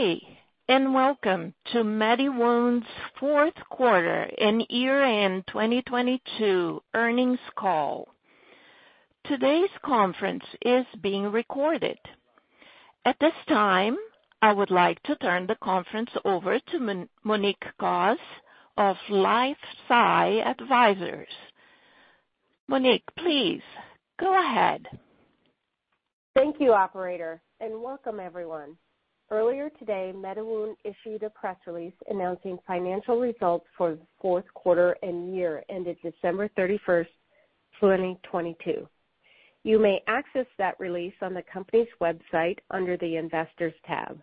Good day, welcome to MediWound's fourth quarter and year-end 2022 earnings call. Today's conference is being recorded. At this time, I would like to turn the conference over to Monique Goss of LifeSci Advisors. Monique, please go ahead. Thank you, operator. Welcome everyone. Earlier today, MediWound issued a press release announcing financial results for the fourth quarter and year ended December 31, 2022. You may access that release on the company's website under the Investors tab.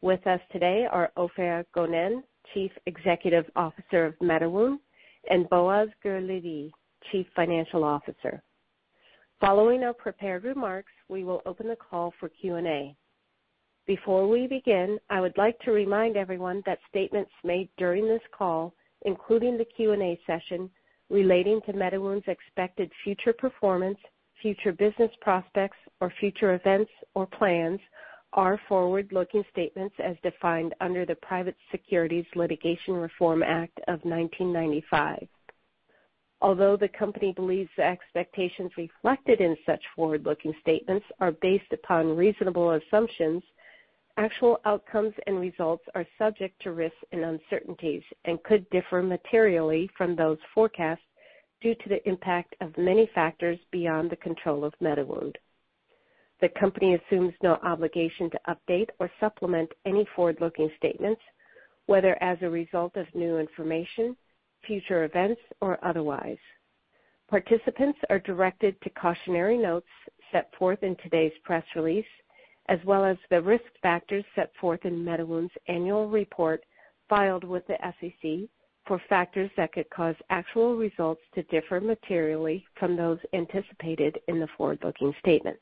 With us today are Ofer Gonen, Chief Executive Officer of MediWound. Boaz Golani, Chief Financial Officer. Following our prepared remarks, we will open the call for Q&A. Before we begin, I would like to remind everyone that statements made during this call, including the Q&A session, relating to MediWound's expected future performance, future business prospects or future events or plans are forward-looking statements as defined under the Private Securities Litigation Reform Act of 1995. Although the company believes the expectations reflected in such forward-looking statements are based upon reasonable assumptions, actual outcomes and results are subject to risks and uncertainties and could differ materially from those forecasts due to the impact of many factors beyond the control of MediWound. The company assumes no obligation to update or supplement any forward-looking statements, whether as a result of new information, future events or otherwise. Participants are directed to cautionary notes set forth in today's press release, as well as the risk factors set forth in MediWound's annual report filed with the SEC for factors that could cause actual results to differ materially from those anticipated in the forward-looking statements.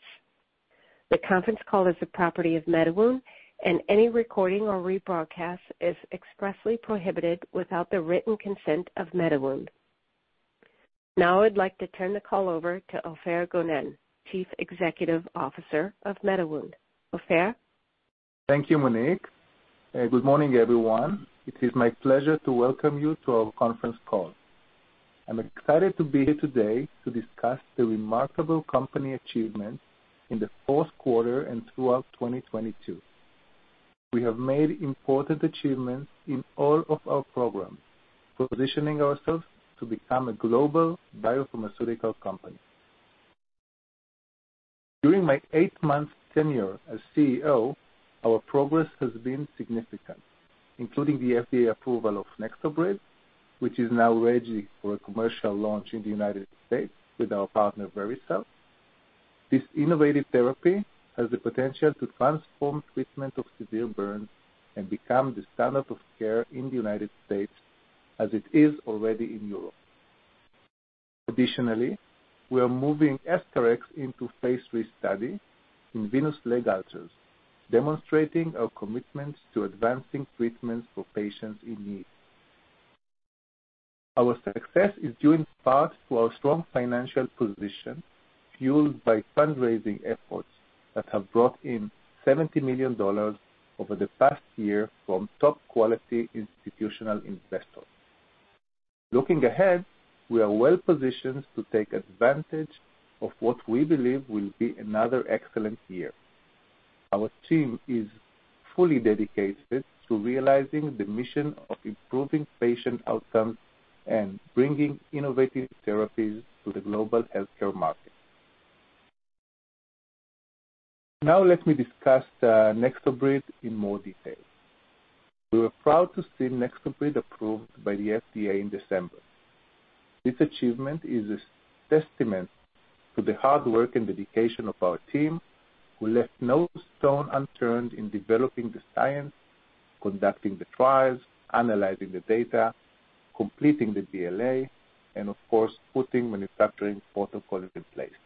The conference call is the property of MediWound and any recording or rebroadcast is expressly prohibited without the written consent of MediWound. Now I'd like to turn the call over to Ofer Gonen, Chief Executive Officer of MediWound. Ofer? Thank you, Monique. Good morning, everyone. It is my pleasure to welcome you to our conference call. I'm excited to be here today to discuss the remarkable company achievements in the fourth quarter and throughout 2022. We have made important achievements in all of our programs, positioning ourselves to become a global biopharmaceutical company. During my 8-month tenure as CEO, our progress has been significant, including the FDA approval of NexoBrid, which is now ready for a commercial launch in the United States with our partner, Vericel. This innovative therapy has the potential to transform treatment of severe burns and become the standard of care in the United States, as it is already in Europe. Additionally, we are moving EscharEx into phase III study in venous leg ulcers, demonstrating our commitment to advancing treatments for patients in need. Our success is due in part to our strong financial position, fueled by fundraising efforts that have brought in $70 million over the past year from top-quality institutional investors. Looking ahead, we are well-positioned to take advantage of what we believe will be another excellent year. Our team is fully dedicated to realizing the mission of improving patient outcomes and bringing innovative therapies to the global healthcare market. Now let me discuss NexoBrid in more detail. We were proud to see NexoBrid approved by the FDA in December. This achievement is a testament to the hard work and dedication of our team, who left no stone unturned in developing the science, conducting the trials, analyzing the data, completing the BLA and, of course, putting manufacturing protocols in place.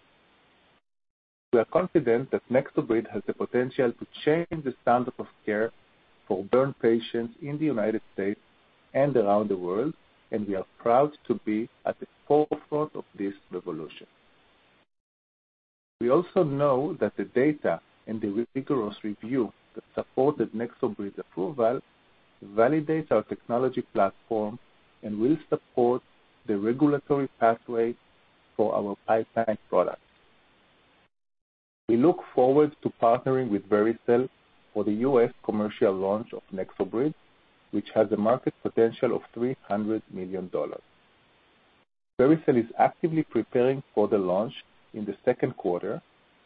We are confident that NexoBrid has the potential to change the standard of care for burn patients in the United States and around the world. We are proud to be at the forefront of this revolution. We also know that the data and the rigorous review that supported NexoBrid approval validates our technology platform and will support the regulatory pathway for our pipeline products. We look forward to partnering with Vericel for the U.S. commercial launch of NexoBrid, which has a market potential of $300 million. Vericel is actively preparing for the launch in the second quarter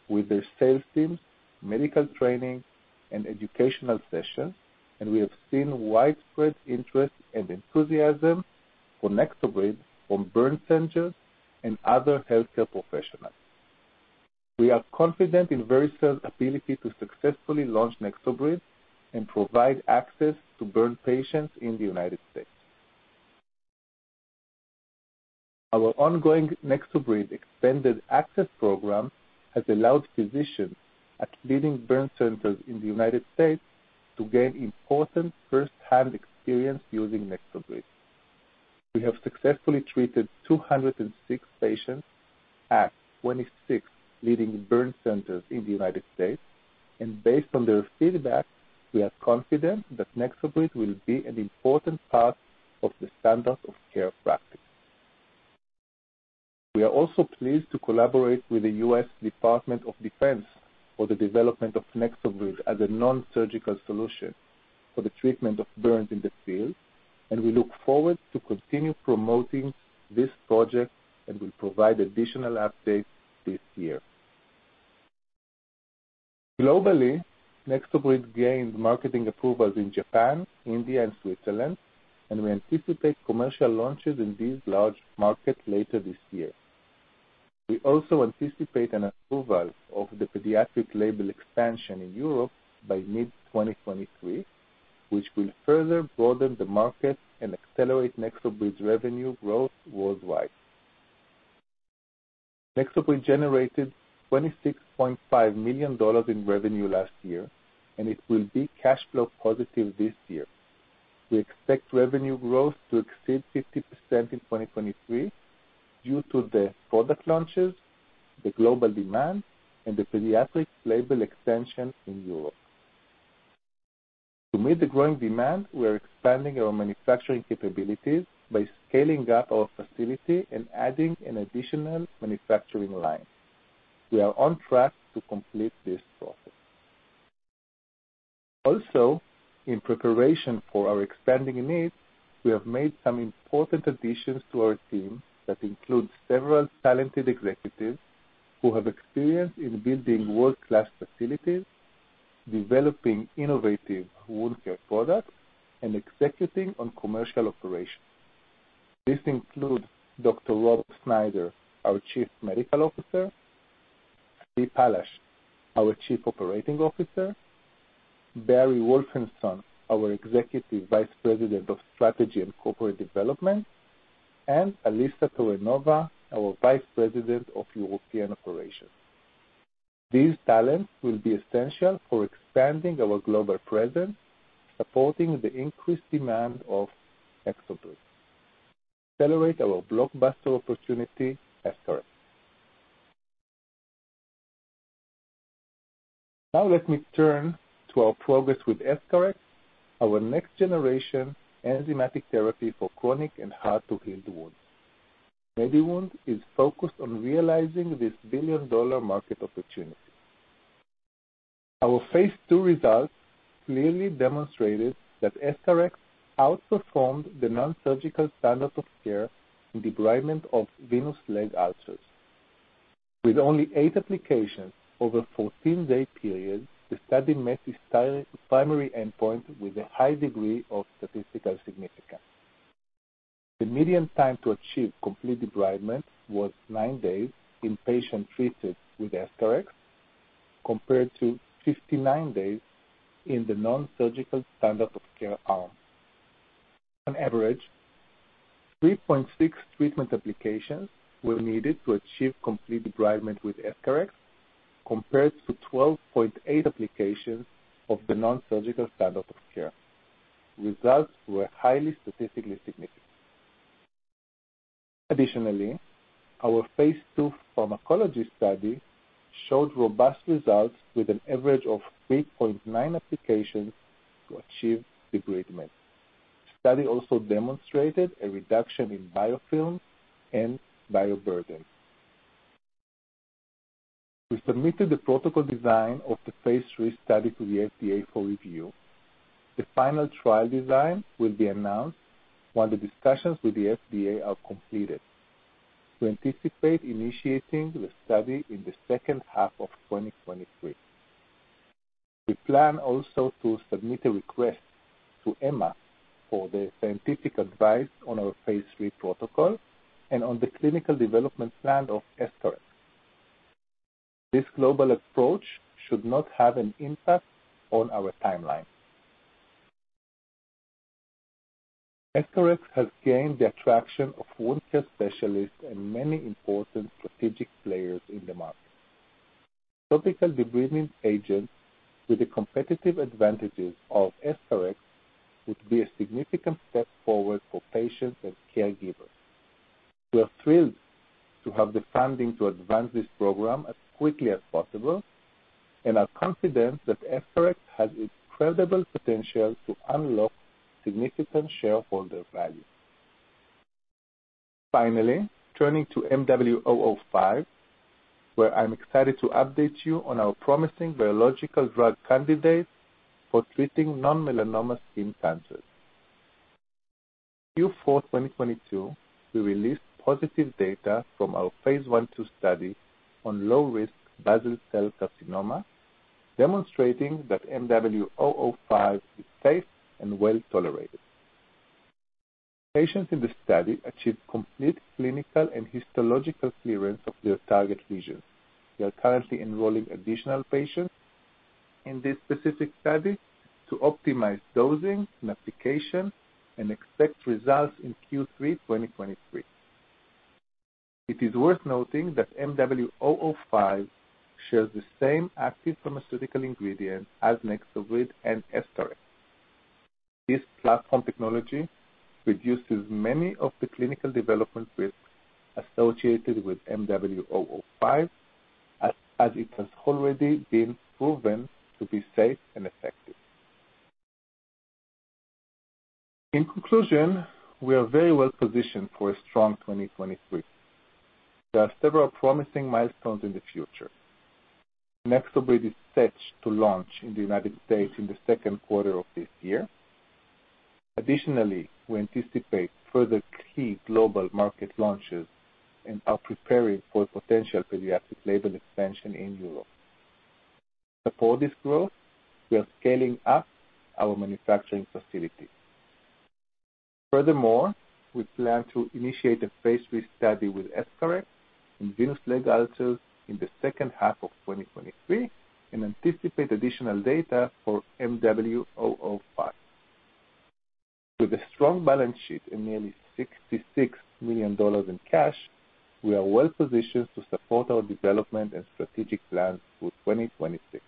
with their sales teams, medical training and educational sessions. We have seen widespread interest and enthusiasm for NexoBrid from burn centers and other healthcare professionals. We are confident in Vericel's ability to successfully launch NexoBrid and provide access to burn patients in the United States. Our ongoing NexoBrid expanded access program has allowed physicians at leading burn centers in the United States to gain important firsthand experience using NexoBrid. We have successfully treated 206 patients at 26 leading burn centers in the United States. Based on their feedback, we are confident that NexoBrid will be an important part of the standard of care practice. We are also pleased to collaborate with the U.S. Department of Defense for the development of NexoBrid as a non-surgical solution for the treatment of burns in the field. We look forward to continue promoting this project and will provide additional updates this year. Globally, NexoBrid gained marketing approvals in Japan, India, and Switzerland, and we anticipate commercial launches in these large markets later this year. We also anticipate an approval of the pediatric label expansion in Europe by mid-2023, which will further broaden the market and accelerate NexoBrid revenue growth worldwide. NexoBrid generated $26.5 million in revenue last year, and it will be cash flow positive this year. We expect revenue growth to exceed 50% in 2023 due to the product launches, the global demand, and the pediatric label expansion in Europe. To meet the growing demand, we are expanding our manufacturing capabilities by scaling up our facility and adding an additional manufacturing line. We are on track to complete this process. Also, in preparation for our expanding needs, we have made some important additions to our team that includes several talented executives who have experience in building world-class facilities, developing innovative wound care products, and executing on commercial operations. This includes Dr. Robert Snyder, our Chief Medical Officer, Tzvi Palash, our Chief Operating Officer, Barry Wolfenson, our Executive Vice President of Strategy and Corporate Development, and Alicia Torre Nova, our Vice President of European Operations. These talents will be essential for expanding our global presence, supporting the increased demand of NexoBrid. Accelerate our blockbuster opportunity, EscharEx. Let me turn to our progress with EscharEx, our next generation enzymatic therapy for chronic and hard to heal wounds. MediWound is focused on realizing this billion-dollar market opportunity. Our phase II results clearly demonstrated that EscharEx outperformed the non-surgical standard of care in debridement of venous leg ulcers. With only eight applications over a 14-day period, the study met its ti-primary endpoint with a high degree of statistical significance. The median time to achieve complete debridement was nine days in patients treated with EscharEx, compared to 59 days in the non-surgical standard of care arm. On average, 3.6 treatment applications were needed to achieve complete debridement with EscharEx, compared to 12.8 applications of the non-surgical standard of care. Results were highly statistically significant. Our phase II pharmacology study showed robust results with an average of 3.9 applications to achieve debridement. Study also demonstrated a reduction in biofilms and bioburden. We submitted the protocol design of the phase III study to the FDA for review. The final trial design will be announced when the discussions with the FDA are completed. We anticipate initiating the study in the second half of 2023. We plan also to submit a request to EMA for the scientific advice on our phase III protocol and on the clinical development plan of EscharEx. This global approach should not have an impact on our timeline. EscharEx has gained the attraction of wound care specialists and many important strategic players in the market. Topical debridement agent with the competitive advantages of EscharEx would be a significant step forward for patients and caregivers. We are thrilled to have the funding to advance this program as quickly as possible and are confident that EscharEx has incredible potential to unlock significant shareholder value. Turning to MW-005, where I'm excited to update you on our promising biological drug candidate for treating non-melanoma skin cancers. Q4 2022, we released positive data from our phase I, II study on low risk basal cell carcinoma, demonstrating that MW-005 is safe and well-tolerated. Patients in the study achieved complete clinical and histological clearance of their target lesions. We are currently enrolling additional patients in this specific study to optimize dosing and application and expect results in Q3 2023. It is worth noting that MW-005 shares the same active pharmaceutical ingredient as NexoBrid and EscharEx. This platform technology reduces many of the clinical development risks associated with MW-005, as it has already been proven to be safe and effective. In conclusion, we are very well positioned for a strong 2023. There are several promising milestones in the future. NexoBrid is set to launch in the United States in the second quarter of this year. Additionally, we anticipate further key global market launches and are preparing for a potential pediatric label expansion in Europe. To support this growth, we are scaling up our manufacturing facility. Furthermore, we plan to initiate a phase III study with EscharEx in venous leg ulcers in the second half of 2023, and anticipate additional data for MW-005. With a strong balance sheet and nearly $66 million in cash, we are well-positioned to support our development and strategic plans through 2026.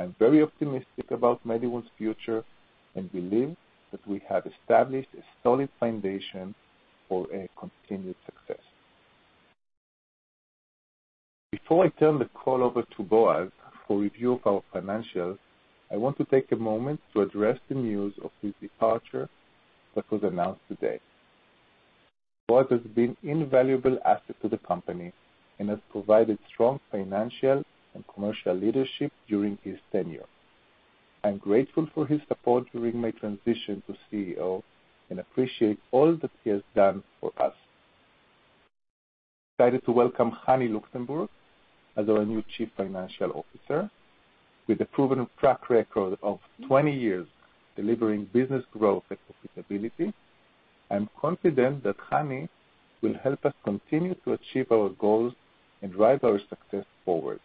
I'm very optimistic about MediWound's future and believe that we have established a solid foundation for a continued success. Before I turn the call over to Boaz for review of our financials, I want to take a moment to address the news of his departure that was announced today. Boaz has been invaluable asset to the company and has provided strong financial and commercial leadership during his tenure. I'm grateful for his support during my transition to CEO and appreciate all that he has done for us. Decided to welcome Hani Luxenburg as our new Chief Financial Officer. With a proven track record of 20 years delivering business growth and profitability, I'm confident that Hani will help us continue to achieve our goals and drive our success forward.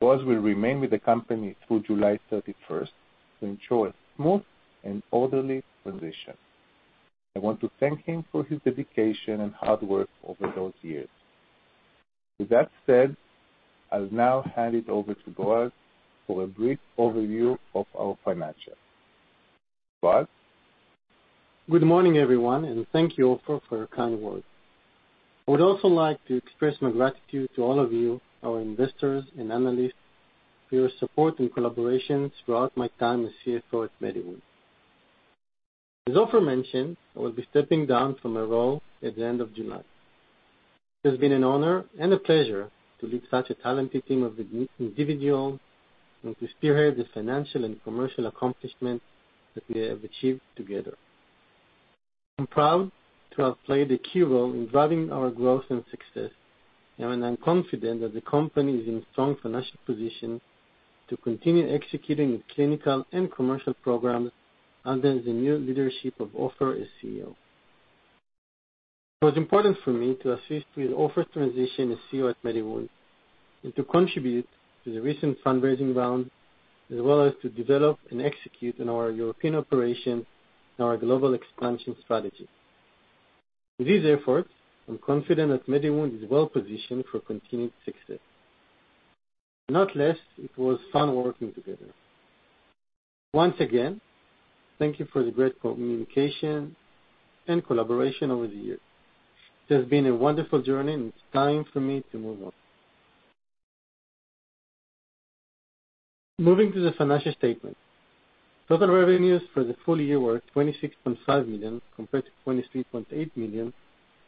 Boaz will remain with the company through July 31st to ensure a smooth and orderly transition. I want to thank him for his dedication and hard work over those years. With that said, I'll now hand it over to Boaz for a brief overview of our financials. Boaz? Good morning, everyone, and thank you, Ofer, for your kind words. I would also like to express my gratitude to all of you, our investors and analysts, for your support and collaboration throughout my time as CFO at MediWound. As Ofer mentioned, I will be stepping down from my role at the end of July. It has been an honor and a pleasure to lead such a talented team of individuals and to spearhead the financial and commercial accomplishments that we have achieved together. I'm proud to have played a key role in driving our growth and success. I'm confident that the company is in strong financial position to continue executing its clinical and commercial programs under the new leadership of Ofer as CEO. It was important for me to assist with Ofer's transition as CEO at MediWound and to contribute to the recent fundraising round, as well as to develop and execute on our European operation and our global expansion strategy. With these efforts, I'm confident that MediWound is well-positioned for continued success. Not less, it was fun working together. Once again, thank you for the great communication and collaboration over the years. It has been a wonderful journey, and it's time for me to move on. Moving to the financial statement. Total revenues for the full year were $26.5 million, compared to $23.8 million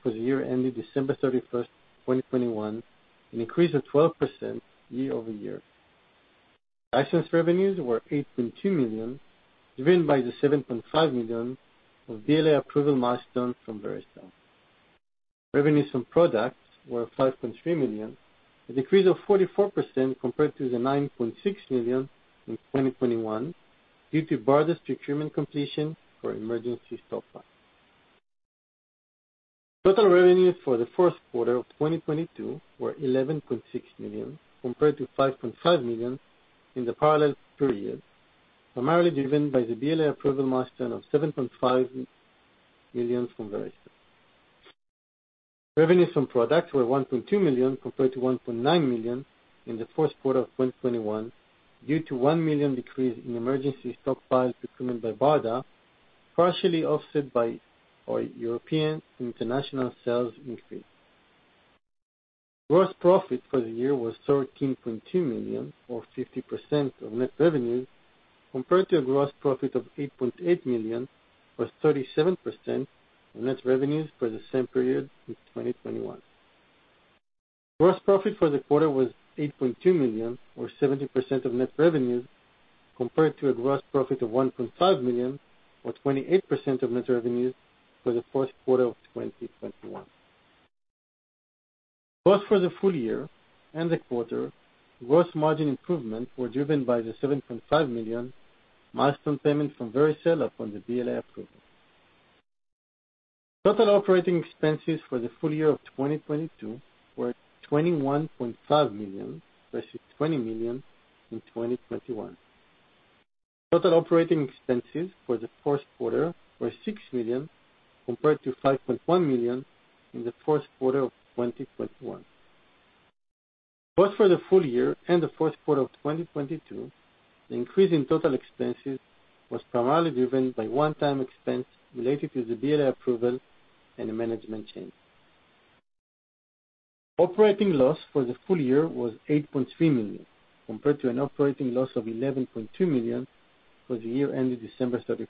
for the year ending December thirty-first, 2021, an increase of 12% year-over-year. License revenues were $8.2 million, driven by the $7.5 million of BLA approval milestone from Vericel. Revenues from products were $5.3 million, a decrease of 44% compared to the $9.6 million in 2021 due to BARDA's procurement completion for emergency stockpile. Total revenues for the first quarter of 2022 were $11.6 million, compared to $5.5 million in the parallel period, primarily driven by the BLA approval milestone of $7.5 million from Vericel. Revenues from products were $1.2 million, compared to $1.9 million in the first quarter of 2021, due to $1 million decrease in emergency stockpiles procurement by BARDA, partially offset by our European and international sales increase. Gross profit for the year was $13.2 million, or 50% of net revenues, compared to a gross profit of $8.8 million, or 37% of net revenues for the same period in 2021. Gross profit for the quarter was $8.2 million or 70% of net revenues, compared to a gross profit of $1.5 million or 28% of net revenues for the first quarter of 2021. Both for the full year and the quarter, gross margin improvement were driven by the $7.5 million milestone payment from Vericel upon the BLA approval. Total operating expenses for the full year of 2022 were $21.5 million versus $20 million in 2021. Total operating expenses for the first quarter were $6 million, compared to $5.1 million in the first quarter of 2021. Both for the full year and the fourth quarter of 2022, the increase in total expenses was primarily driven by one-time expense related to the BLA approval and a management change. Operating loss for the full year was $8.3 million, compared to an operating loss of $11.2 million for the year ended December 31,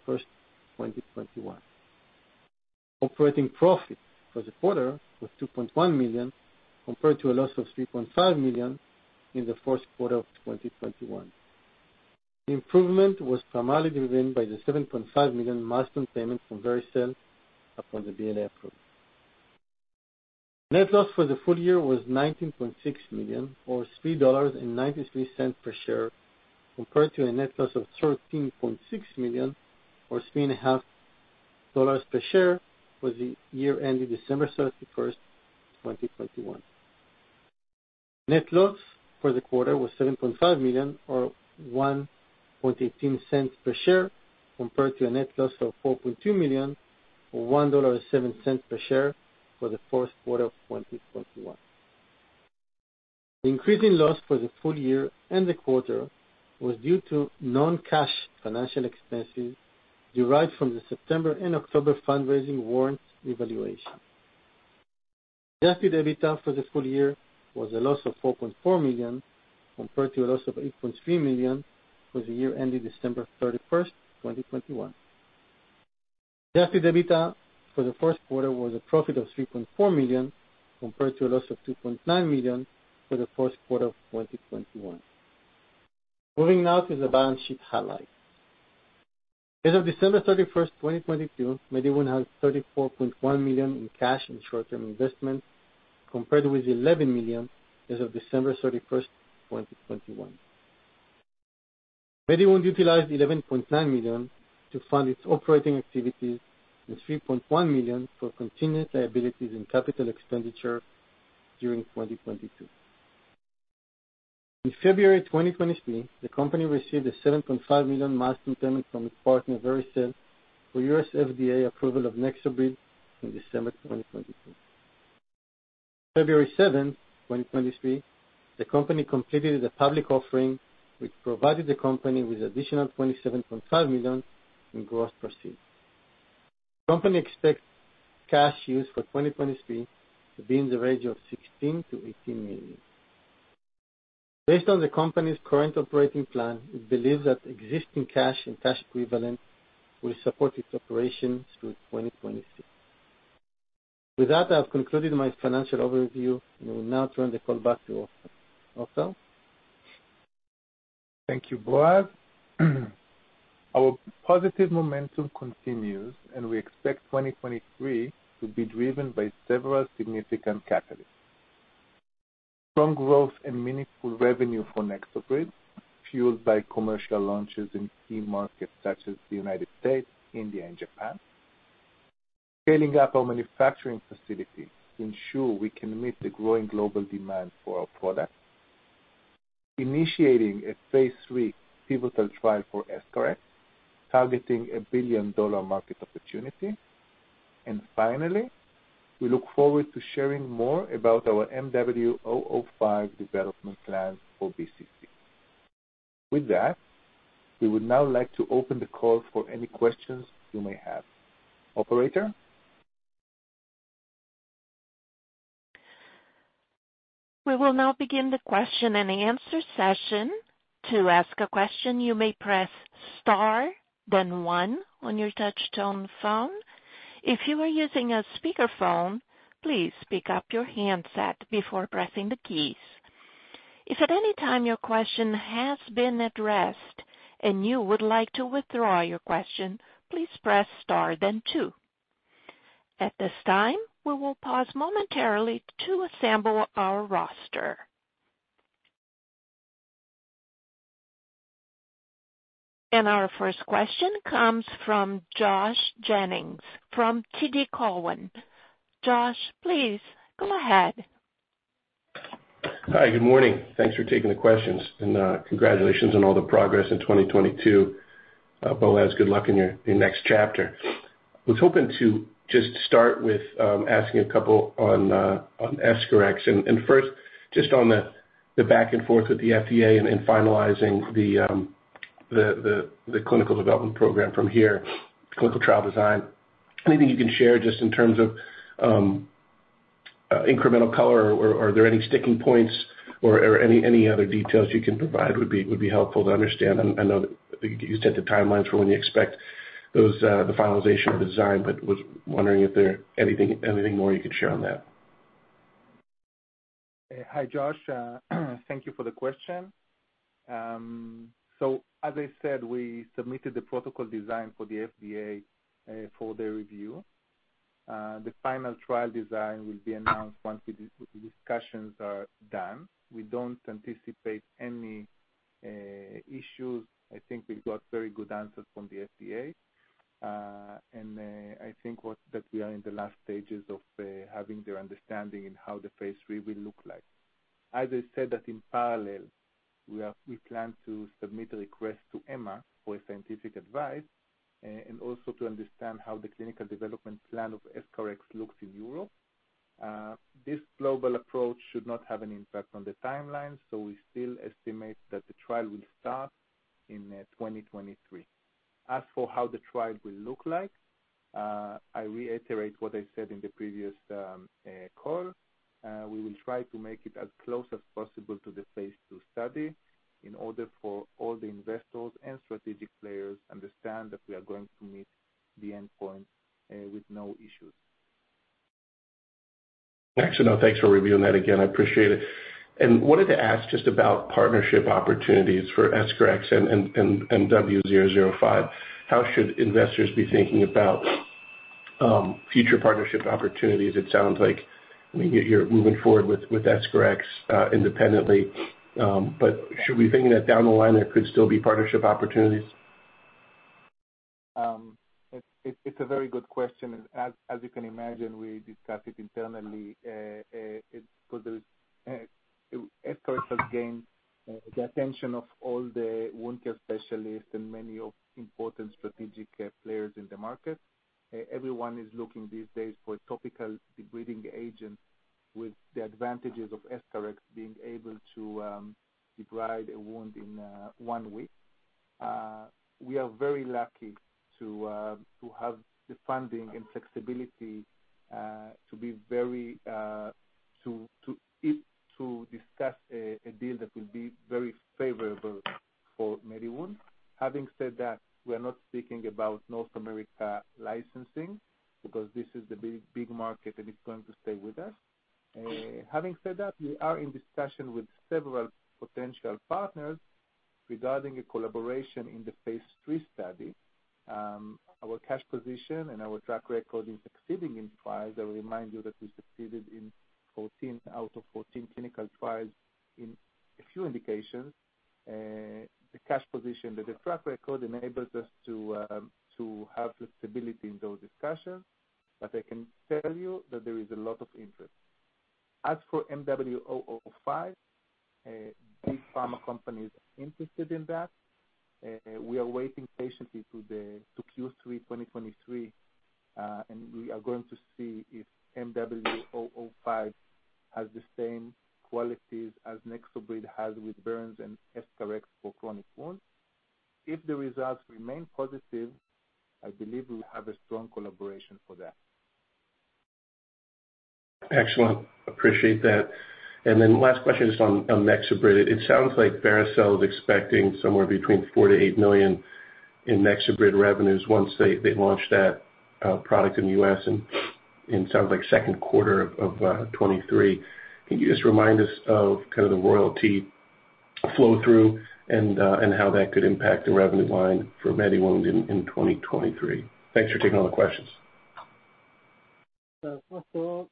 2021. Operating profit for the quarter was $2.1 million, compared to a loss of $3.5 million in the first quarter of 2021. Improvement was primarily driven by the $7.5 million milestone payment from Vericel upon the BLA approval. Net loss for the full year was $19.6 million, or $3.93 per share, compared to a net loss of $13.6 million, or $3.50 per share for the year ended December 31, 2021. Net loss for the quarter was $7.5 million, or $0.0118 per share, compared to a net loss of $4.2 million, or $1.07 per share for the first quarter of 2021. The increase in loss for the full year and the quarter was due to non-cash financial expenses derived from the September and October fundraising warrant evaluation. adjusted EBITDA for the full year was a loss of $4.4 million, compared to a loss of $8.3 million for the year ended December 31st, 2021. adjusted EBITDA for the first quarter was a profit of $3.4 million, compared to a loss of $2.9 million for the first quarter of 2021. Moving now to the balance sheet highlight. As of December 31, 2022, MediWound had $34.1 million in cash and short-term investments, compared with $11 million as of December 31, 2021. MediWound utilized $11.9 million to fund its operating activities and $3.1 million for contingent liabilities and capital expenditure during 2022. In February 2023, the company received a $7.5 million milestone payment from its partner, Vericel, for U.S. FDA approval of NexoBrid in December 2022. February 7, 2023, the company completed a public offering which provided the company with additional $27.5 million in gross proceeds. Company expects cash use for 2023 to be in the range of $16 million-$18 million. Based on the company's current operating plan, it believes that existing cash and cash equivalent will support its operations through 2026. With that, I have concluded my financial overview and will now turn the call back to Ofer. Ofer? Thank you, Boaz. Our positive momentum continues, and we expect 2023 to be driven by several significant catalysts. Strong growth and meaningful revenue for NexoBrid, fueled by commercial launches in key markets such as the United States, India and Japan. Scaling up our manufacturing facility to ensure we can meet the growing global demand for our products. Initiating a phase III pivotal trial for EscharEx, targeting a billion-dollar market opportunity. Finally, we look forward to sharing more about our MW-005 development plans for BCC. With that, we would now like to open the call for any questions you may have. Operator? We will now begin the question-and-answer session. To ask a question, you may press star then one on your touchtone phone. If you are using a speakerphone, please pick up your handset before pressing the keys. If at any time your question has been addressed and you would like to withdraw your question, please press star then two. At this time, we will pause momentarily to assemble our roster. Our first question comes from Josh Jennings from TD Cowen. Josh, please go ahead. Hi. Good morning. Thanks for taking the questions, and congratulations on all the progress in 2022. Boaz, good luck in your next chapter. Was hoping to just start with asking a couple on EscharEx. First, just on the back and forth with the FDA and finalizing the clinical development program from here, clinical trial design. Anything you can share just in terms of incremental color or are there any sticking points or any other details you can provide would be helpful to understand. I know that you set the timelines for when you expect those the finalization of the design, but was wondering if there anything more you could share on that. Hi, Josh. Thank you for the question. As I said, we submitted the protocol design for the FDA for their review. The final trial design will be announced once the discussions are done. We don't anticipate any issues. I think we've got very good answers from the FDA. I think that we are in the last stages of having their understanding in how the phase III will look like. As I said that in parallel, we plan to submit a request to EMA for a scientific advice and also to understand how the clinical development plan of EscharEx looks in Europe. This global approach should not have any impact on the timeline, so we still estimate that the trial will start in 2023. As for how the trial will look like, I reiterate what I said in the previous call. We will try to make it as close as possible to the phase II study in order for all the investors and strategic players understand that we are going to meet the endpoint with no issues. Excellent. Thanks for reviewing that again, I appreciate it. Wanted to ask just about partnership opportunities for EscharEx and MW005. How should investors be thinking about future partnership opportunities? It sounds like, I mean, you're moving forward with EscharEx independently. But should we be thinking that down the line there could still be partnership opportunities? It's a very good question. As you can imagine, we discuss it internally. because EscharEx has gained the attention of all the wound care specialists and many of important strategic players in the market. Everyone is looking these days for a topical debridement agent with the advantages of EscharEx being able to debride a wound in one week. We are very lucky to have the funding and flexibility to be very to discuss a deal that will be very favorable for MediWound. Having said that, we are not speaking about North America licensing because this is the big, big market and it's going to stay with us. Having said that, we are in discussion with several potential partners regarding a collaboration in the phase III study. Our cash position and our track record in succeeding in trials, I remind you that we succeeded in 14 out of 14 clinical trials in a few indications. The cash position, the track record enables us to have flexibility in those discussions, but I can tell you that there is a lot of interest. As for MW-005, big pharma companies are interested in that. We are waiting patiently to the, to Q3 2023, and we are going to see if MW-005 has the same qualities as NexoBrid has with burns and EscharEx for chronic wounds. If the results remain positive, I believe we will have a strong collaboration for that. Excellent. Appreciate that. Last question just on NexoBrid. It sounds like Vericel is expecting somewhere between $4 million-$8 million in NexoBrid revenues once they launch that product in the U.S. in sounds like second quarter of 2023. Can you just remind us of kind of the royalty flow through and how that could impact the revenue line for MediWound in 2023? Thanks for taking all the questions. First of all,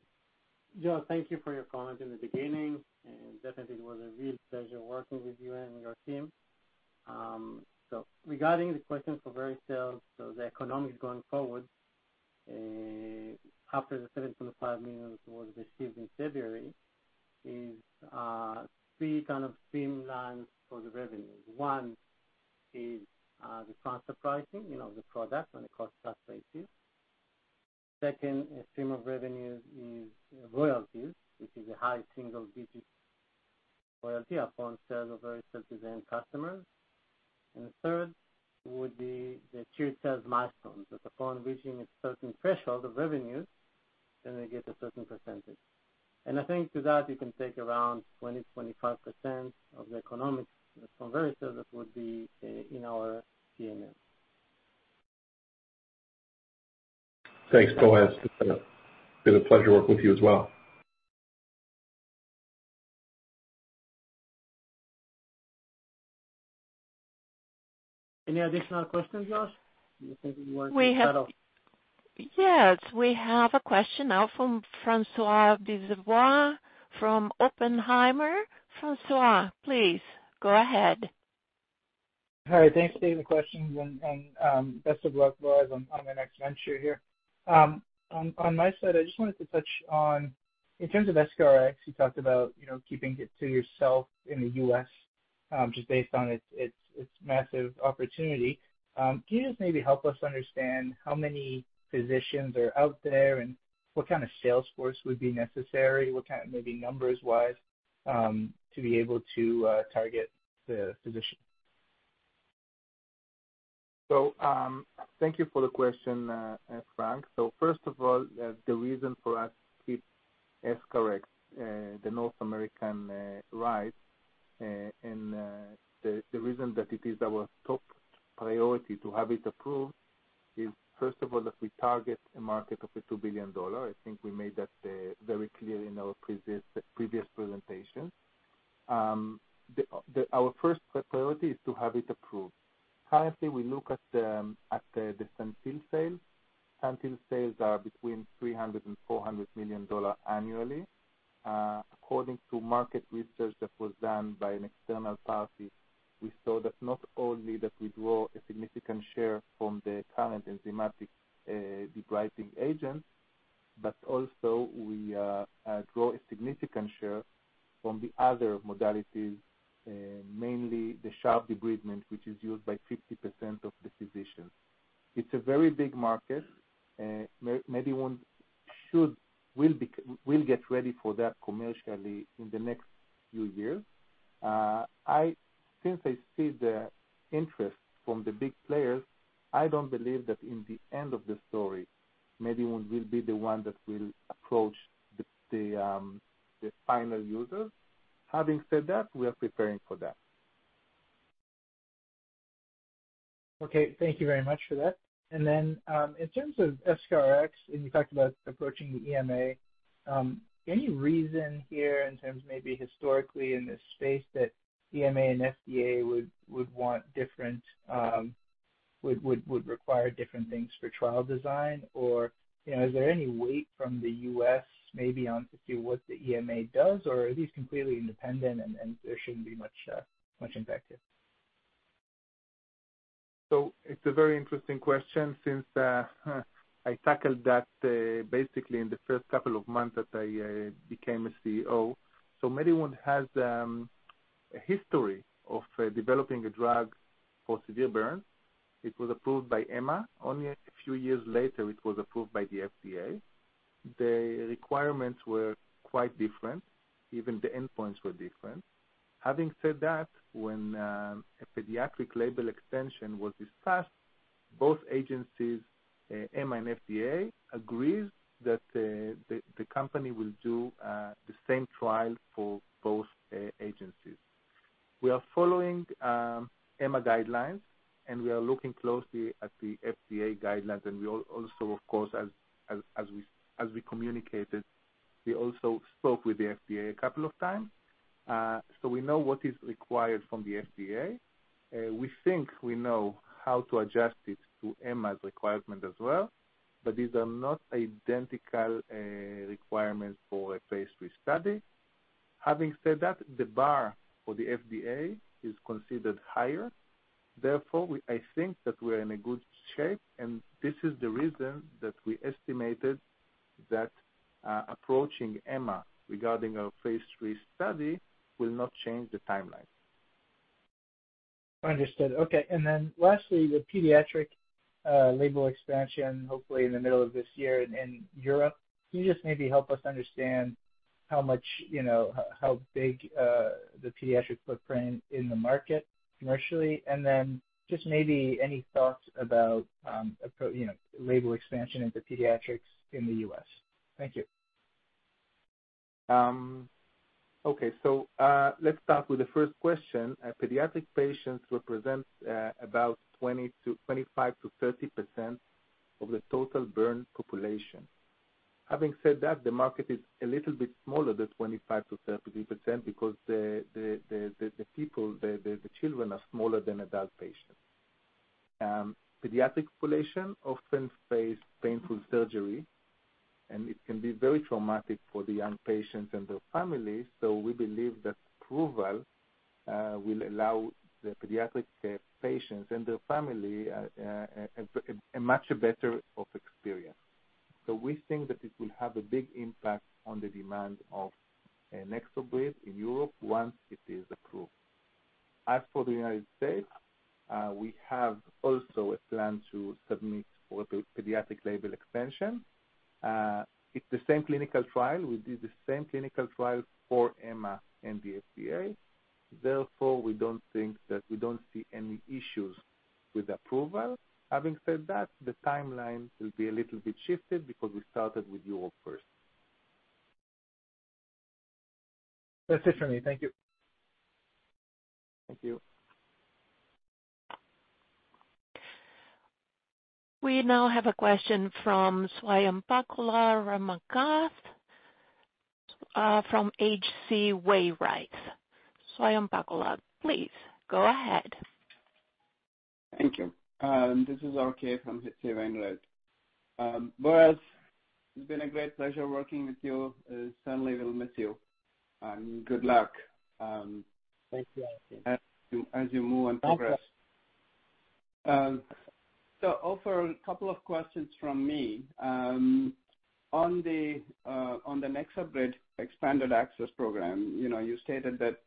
Joe, thank you for your comment in the beginning, and definitely it was a real pleasure working with you and your team. Regarding the question for Vericel, the economics going forward, after the $7.5 million was received in February, is three kind of streamlines for the revenues. One is the transfer pricing, you know, the product on a cost-plus basis. Second stream of revenues is royalties, which is a high single-digit royalty upon sale of Vericel to the end customers. The third would be the tier sales milestones. That upon reaching a certain threshold of revenues, then they get a certain percentage. I think to that, you can take around 20%-25% of the economics from Vericel that would be in our P&L. Thanks, Boaz. It's been a pleasure working with you as well. Any additional questions, Josh? Or maybe you want to sign off. We have. Yes, we have a question now from François Brisebois from Oppenheimer. Francois, please go ahead. All right. Thanks for taking the questions and, best of luck, Boaz, on your next venture here. On my side, I just wanted to touch on, in terms of EscharEx, you talked about, you know, keeping it to yourself in the U.S., just based on its massive opportunity. Can you just maybe help us understand how many physicians are out there and what kind of sales force would be necessary, what kind of maybe numbers-wise, to be able to target the physician? Thank you for the question, Frank. First of all, the reason for us to keep EscharEx, the North American rights, and the reason that it is our top priority to have it approved is, first of all, that we target a market of a $2 billion. I think we made that very clear in our previous presentations. Our first priority is to have it approved. Currently, we look at the Santyl sales. Santyl sales are between $300 million and $400 million annually. According to market research that was done by an external party, we saw that not only that we draw a significant share from the current enzymatic debriding agents, but also we draw a significant share from the other modalities, mainly the sharp debridement, which is used by 50% of the physicians. It's a very big market. MediWound will get ready for that commercially in the next few years. Since I see the interest from the big players, I don't believe that in the end of the story, MediWound will be the one that will approach the final users. Having said that, we are preparing for that. Okay, thank you very much for that. In terms of EscharEx, and you talked about approaching the EMA, any reason here in terms maybe historically in this space that EMA and FDA would want different, would require different things for trial design? Or, you know, is there any weight from the U.S. maybe on to see what the EMA does or are these completely independent and there shouldn't be much impact here? It's a very interesting question since I tackled that basically in the first couple of months that I became a CEO. MediWound has a history of developing a drug for severe burns. It was approved by EMA. Only a few years later, it was approved by the FDA. The requirements were quite different. Even the endpoints were different. Having said that, when a pediatric label extension was discussed, both agencies, EMA and FDA, agrees that the company will do the same trial for both agencies. We are following EMA guidelines, and we are looking closely at the FDA guidelines. We also of course, as we communicated, we also spoke with the FDA a couple of times. We know what is required from the FDA. We think we know how to adjust it to EMA's requirement as well. These are not identical requirements for a phase III study. Having said that, the bar for the FDA is considered higher. Therefore, I think that we're in a good shape, and this is the reason that we estimated that approaching EMA regarding our phase III study will not change the timeline. Understood. Okay. Lastly, the pediatric label expansion, hopefully in the middle of this year in Europe. Can you just maybe help us understand how much, you know, how big the pediatric footprint in the market commercially? Just maybe any thoughts about, you know, label expansion into pediatrics in the U.S. Thank you. Okay. Let's start with the first question. Pediatric patients represent about 25%-30% of the total burn population. Having said that, the market is a little bit smaller than 25%-30% because the children are smaller than adult patients. Pediatric population often face painful surgery, and it can be very traumatic for the young patients and their families. We believe that approval will allow the pediatric patients and their family a much better experience. We think that it will have a big impact on the demand of NexoBrid in Europe once it is approved. As for the United States, we have also a plan to submit for pediatric label expansion. It's the same clinical trial. We did the same clinical trial for EMA and the FDA. Therefore, we don't see any issues with approval. Having said that, the timeline will be a little bit shifted because we started with Europe first. That's it for me. Thank you. Thank you. We now have a question from Swayampakula Ramakanth, from H.C. Wainwright. Swayampakula, please go ahead. Thank you. This is RK from H.C. Wainwright. Boaz, it's been a great pleasure working with you. Certainly, we'll miss you. Good luck. Thank you, RK. as you move and progress. Thank you. Ofer, a couple of questions from me. On the NexoBrid expanded access program, you know, you stated that,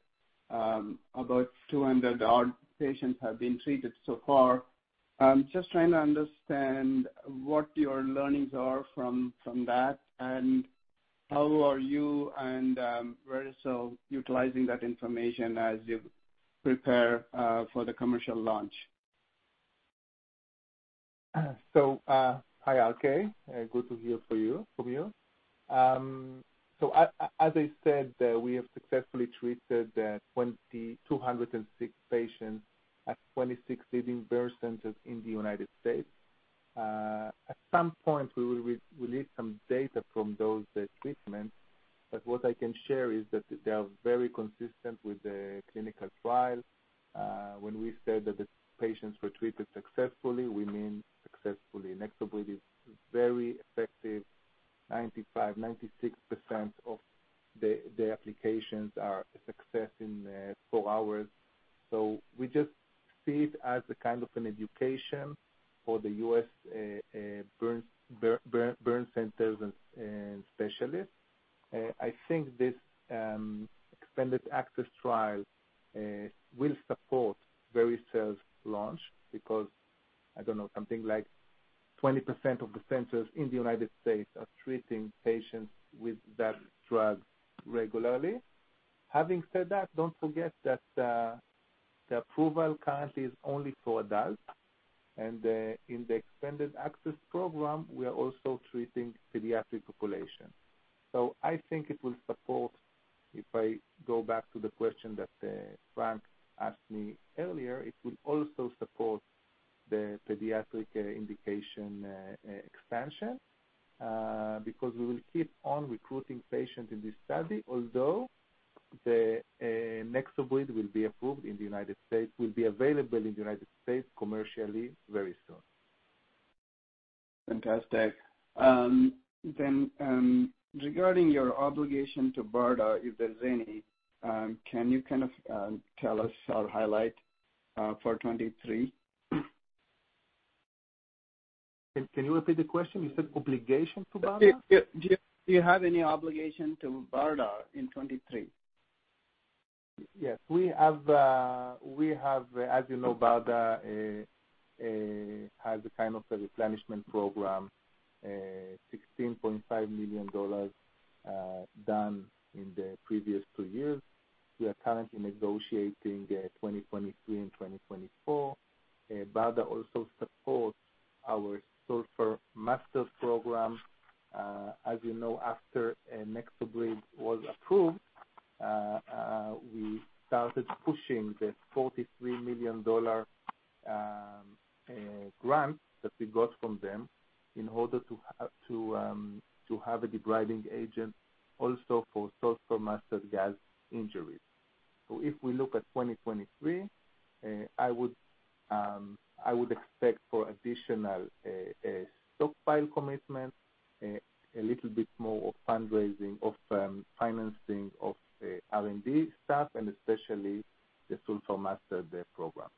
about 200 odd patients have been treated so far. Just trying to understand what your learnings are from that and how are you and Vericel utilizing that information as you prepare for the commercial launch? Hi, RK. Good to hear for you, from you. As I said, we have successfully treated 206 patients at 26 leading burn centers in the United States. At some point, we will re-release some data from those treatments, but what I can share is that they are very consistent with the clinical trial. When we said that the patients were treated successfully, we mean successfully. NexoBrid is very effective. 95%, 96% of the applications are a success in 4 hours. We just see it as a kind of an education for the U.S. burn centers and specialists. I think this expanded access trial will support Vericel's launch because, I don't know, something like 20% of the centers in the United States are treating patients with that drug regularly. Having said that, don't forget that the approval currently is only for adults, and in the expanded access program, we are also treating pediatric population. I think it will support, if I go back to the question that Frank asked me earlier, it will also support the pediatric indication expansion because we will keep on recruiting patients in this study. Although NexoBrid will be available in the United States commercially very soon. Fantastic. Regarding your obligation to BARDA, if there's any, can you kind of, tell us or highlight, for 23? Can you repeat the question? You said obligation to BARDA? Do you have any obligation to BARDA in 2023? Yes. We have, we have, as you know, BARDA has a kind of a replenishment program, $16.5 million done in the previous 2 years. We are currently negotiating 2023 and 2024. BARDA also supports our Sulfur Master program. As you know, after NexoBrid was approved, we started pushing the $43 million grant that we got from them in order to have, to have a debriding agent also for sulfur mustard gas injuries. If we look at 2023, I would expect for additional stockpile commitment, a little bit more of fundraising, financing of R&D staff and especially the Sulfur Master program.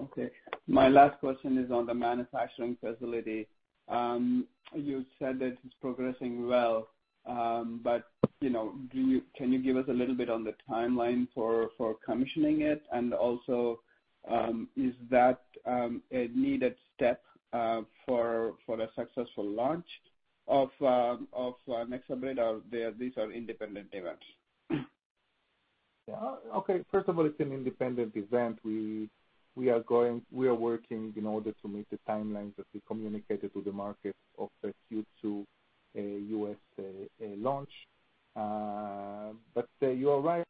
Okay. My last question is on the manufacturing facility. You said that it's progressing well, but, you know, can you give us a little bit on the timeline for commissioning it? Also, is that a needed step for a successful launch of NexoBrid, or these are independent events? Yeah. Okay. First of all, it's an independent event. We are working in order to meet the timelines that we communicated to the market of the Q2 U.S. launch. You are right.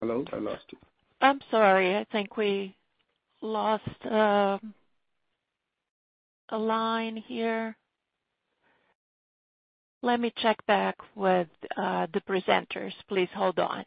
Hello? I lost you. I'm sorry. I think we lost a line here. Let me check back with the presenters. Please hold on.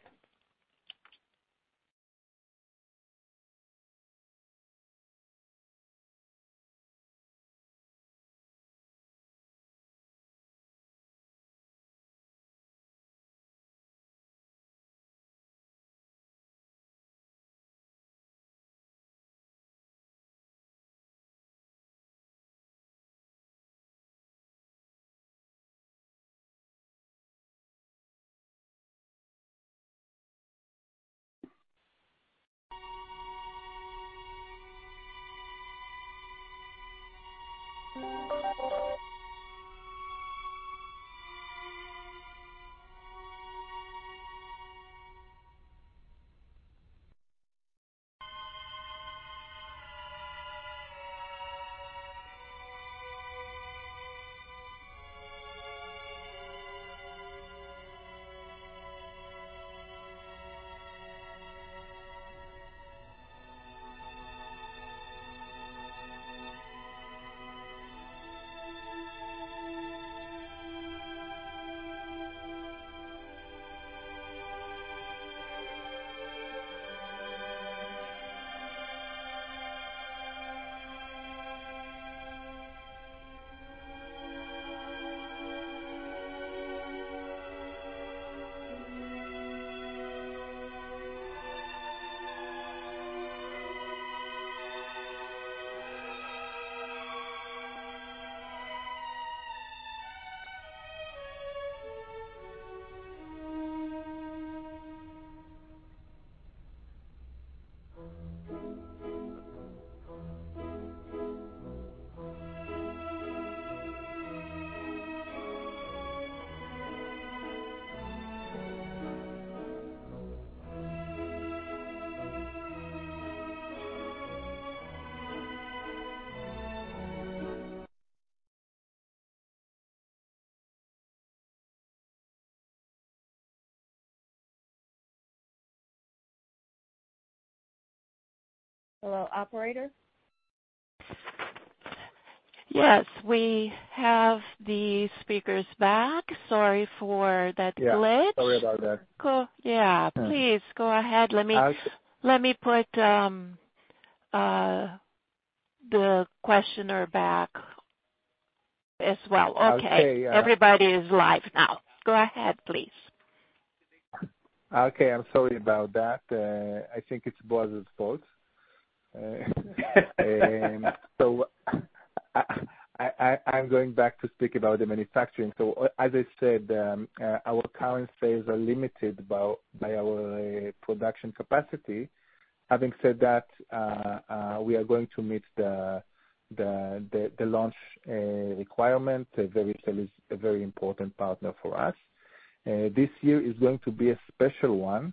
Hello, operator? Yes, we have the speakers back. Sorry for that glitch. Yeah. Sorry about that. Yeah. Yeah. Please go ahead. How's- Let me put The questioner back as well. Okay. I'll say. Everybody is live now. Go ahead, please. Okay, I'm sorry about that. I think it's Boaz's fault. I'm going back to speak about the manufacturing. As I said, our current sales are limited by our production capacity. Having said that, we are going to meet the launch requirement. Vericel is a very important partner for us. This year is going to be a special one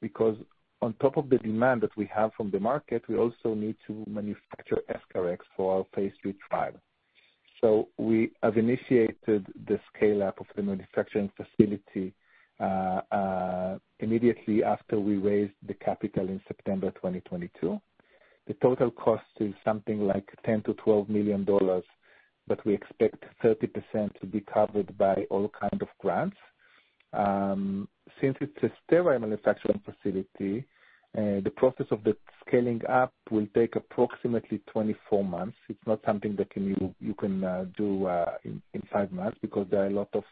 because on top of the demand that we have from the market, we also need to manufacture EscharEx for our phase III trial. We have initiated the scale up of the manufacturing facility immediately after we raised the capital in September 2022. The total cost is something like $10 million-$12 million, but we expect 30% to be covered by all kind of grants. Since it's a sterile manufacturing facility, the process of the scaling up will take approximately 24 months. It's not something that you can do in five months because there are a lot of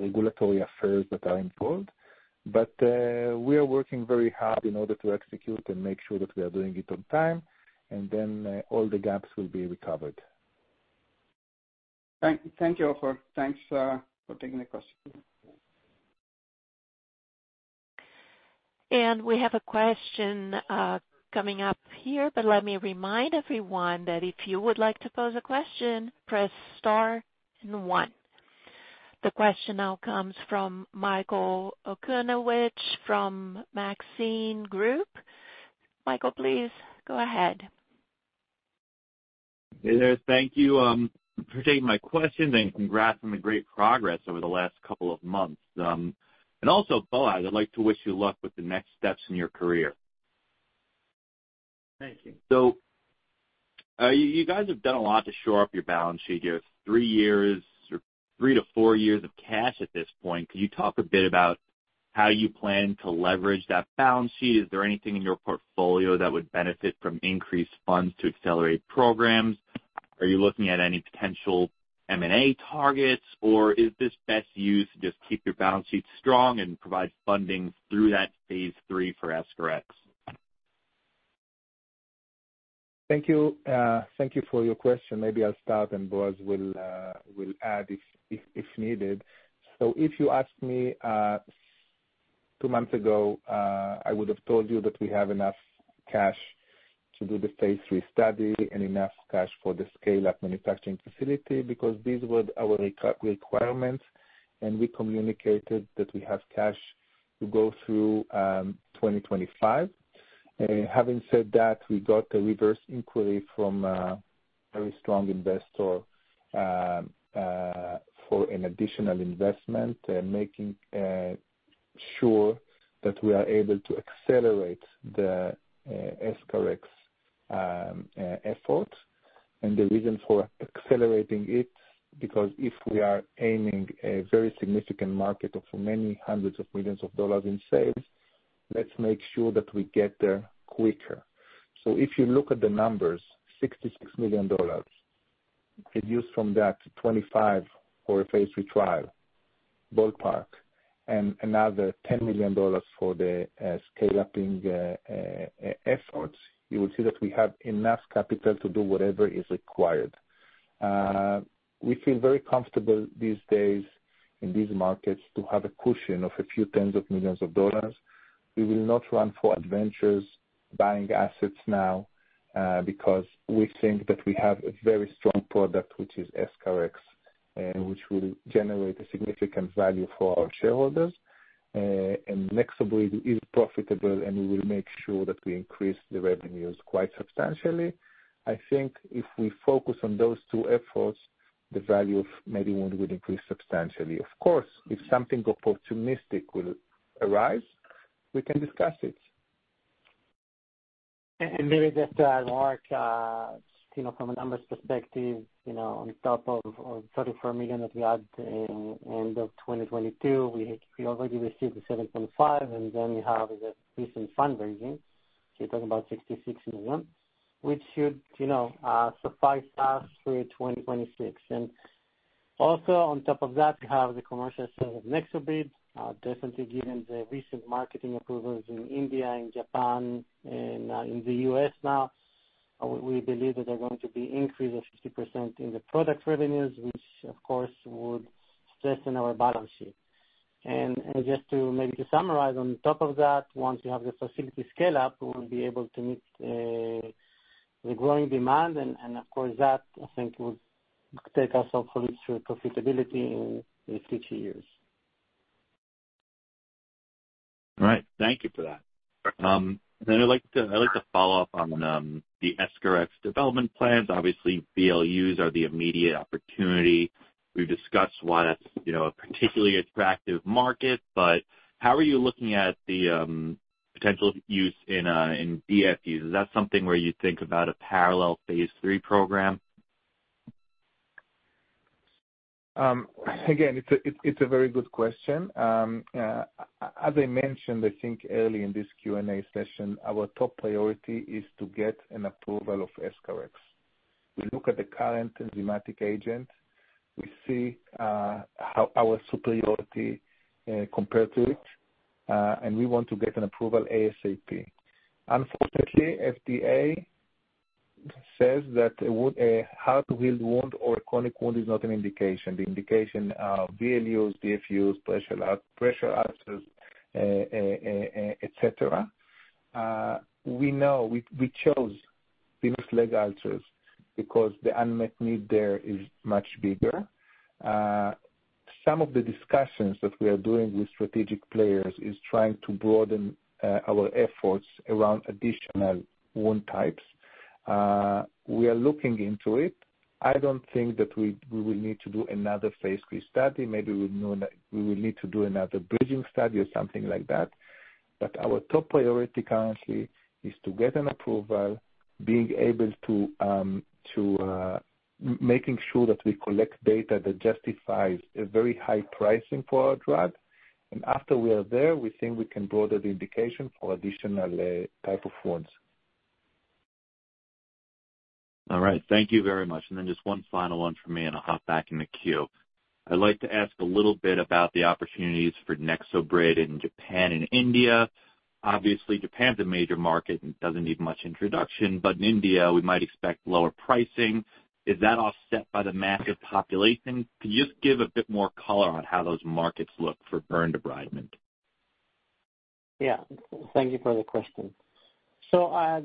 regulatory affairs that are involved. We are working very hard in order to execute and make sure that we are doing it on time, and then all the gaps will be recovered. Thank you, Ofer. Thanks for taking the question. We have a question, coming up here, but let me remind everyone that if you would like to pose a question, press star then one. The question now comes from Michael Okunewitch from Maxim Group. Michael, please go ahead. Hey there. Thank you, for taking my question, and congrats on the great progress over the last couple of months. Also, Boaz, I'd like to wish you luck with the next steps in your career. Thank you. You guys have done a lot to shore up your balance sheet. You have 3 years or 3-4 years of cash at this point. Could you talk a bit about how you plan to leverage that balance sheet? Is there anything in your portfolio that would benefit from increased funds to accelerate programs? Are you looking at any potential M&A targets, or is this best used to just keep your balance sheet strong and provide funding through that phase III for EscharEx? Thank you. Thank you for your question. Maybe I'll start, and Boaz will add if needed. If you asked me two months ago, I would have told you that we have enough cash to do the phase III study and enough cash for the scale up manufacturing facility, because these were our requirements, and we communicated that we have cash to go through 2025. Having said that, we got a reverse inquiry from a very strong investor for an additional investment, making sure that we are able to accelerate the EscharEx effort. The reason for accelerating it, because if we are aiming a very significant market of many hundreds of millions of dollars in sales, let's make sure that we get there quicker. If you look at the numbers, $66 million reduced from that to 25 for a phase III trial, ballpark, and another $10 million for the scaling efforts, you will see that we have enough capital to do whatever is required. We feel very comfortable these days in these markets to have a cushion of a few tens of millions of dollars. We will not run for adventures buying assets now because we think that we have a very strong product, which is EscharEx, which will generate a significant value for our shareholders. And NexoBrid is profitable, and we will make sure that we increase the revenues quite substantially. I think if we focus on those two efforts, the value of MediWound will increase substantially. Of course, if something opportunistic will arise, we can discuss it. Maybe just to add, Mike, you know, from a numbers perspective, you know, on top of $34 million that we had in 2022, we already received the $7.5 million, and then we have the recent fundraising. You're talking about $66 million, which should, you know, suffice us through 2026. Also on top of that, we have the commercial sale of NexoBrid. Definitely given the recent marketing approvals in India and Japan and in the US now, we believe that they're going to be increase of 50% in the product revenues, which of course, would strengthen our balance sheet. Maybe to summarize on top of that, once we have the facility scale up, we will be able to meet the growing demand and of course that I think will take us hopefully through profitability in the future years. All right. Thank you for that. I'd like to follow up on the EscharEx development plans. Obviously Burns are the immediate opportunity. We've discussed why that's, you know, a particularly attractive market, but how are you looking at the potential use in BFUs? Is that something where you think about a parallel phase III program? Again, it's a very good question. As I mentioned, I think early in this Q&A session, our top priority is to get an approval of EscharEx. We look at the current enzymatic agent, we see how our superiority compared to it, and we want to get an approval ASAP. Unfortunately, FDA says that a hard-to-heal wound or a chronic wound is not an indication. The indication are VLUs, DFUs, pressure ulcers, et cetera. We chose venous leg ulcers because the unmet need there is much bigger. Some of the discussions that we are doing with strategic players is trying to broaden our efforts around additional wound types. We are looking into it. I don't think that we will need to do another phase III study. Maybe we know that we will need to do another bridging study or something like that, our top priority currently is to get an approval, being able to making sure that we collect data that justifies a very high pricing for our drug. After we are there, we think we can broaden the indication for additional type of wounds. All right. Thank you very much. Just one final one from me, and I'll hop back in the queue. I'd like to ask a little bit about the opportunities for NexoBrid in Japan and India. Obviously, Japan's a major market and doesn't need much introduction. In India, we might expect lower pricing. Is that offset by the massive population? Can you just give a bit more color on how those markets look for burn debridement? Yeah. Thank you for the question.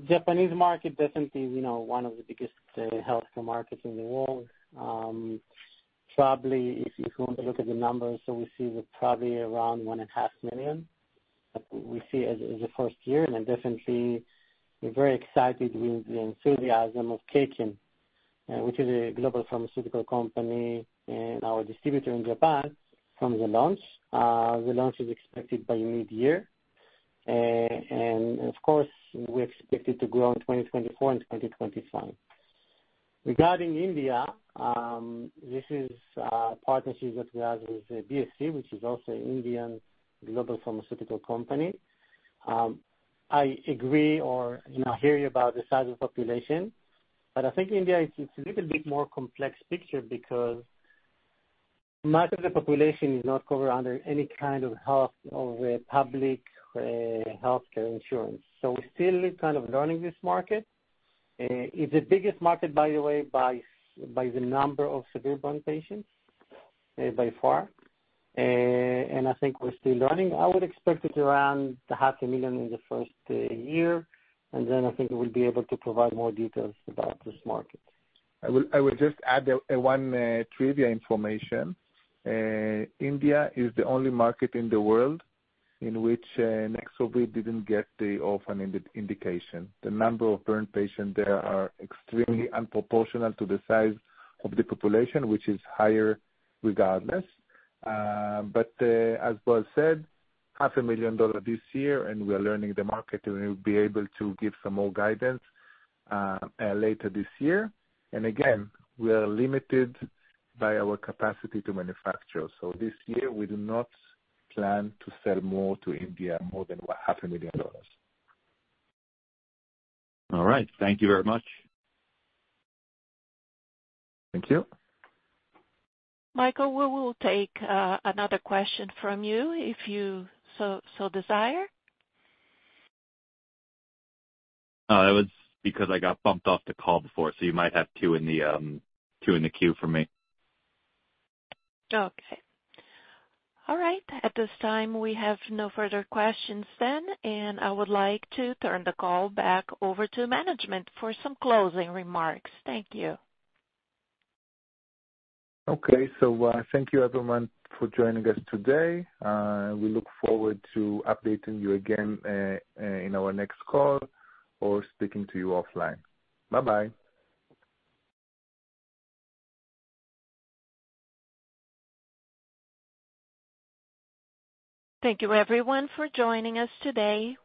Japanese market definitely, you know, one of the biggest healthcare markets in the world. Probably if we want to look at the numbers, we see probably around $1.5 million as a first year. Definitely, we're very excited with the enthusiasm of Kaken, which is a global pharmaceutical company and our distributor in Japan from the launch. The launch is expected by mid-year. Of course, we expect it to grow in 2024 and 2025. Regarding India, this is a partnership that we have with BSV, which is also Indian global pharmaceutical company. I agree or, you know, hear you about the size of population, I think India it's a little bit more complex picture because much of the population is not covered under any kind of health or public healthcare insurance. We're still kind of learning this market. It's the biggest market, by the way, by the number of severe burn patients, by far. I think we're still learning. I would expect it around half a million in the first year, and then I think we'll be able to provide more details about this market. I will just add one trivia information. India is the only market in the world in which NexoBrid didn't get the orphan indication. The number of burn patients there are extremely unproportional to the size of the population, which is higher regardless. As Boaz said, half a million dollar this year, and we are learning the market, and we'll be able to give some more guidance later this year. Again, we are limited by our capacity to manufacture. This year we do not plan to sell more to India, more than what? Half a million dollars. All right. Thank you very much. Thank you. Michael, we will take another question from you if you so desire. It was because I got bumped off the call before, so you might have two in the two in the queue for me. Okay. All right. At this time, we have no further questions then. I would like to turn the call back over to management for some closing remarks. Thank you. Okay. Thank you everyone for joining us today. We look forward to updating you again in our next call or speaking to you offline. Bye-bye. Thank you everyone for joining us today.